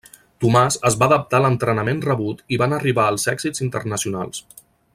Tomàs es va adaptar a l'entrenament rebut i van arribar els èxits internacionals.